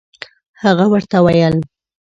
هغه ورته ویل.